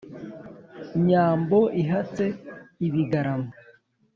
Nyambo ihatse ibigarama